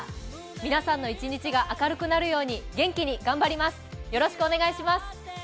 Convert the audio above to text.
皆さんの一日が明るくなるように元気に頑張ります、よろしくお願いします。